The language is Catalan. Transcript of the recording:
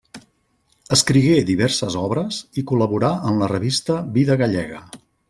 Escrigué diverses obres i col·laborà en la revista Vida Gallega.